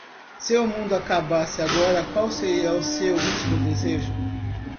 se o mundo acaba-se agora qual seria o seu ultimo desejo